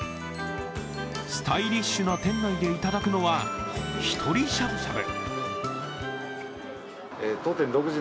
スタイリッシュな店内でいただくのは１人しゃぶしゃぶ。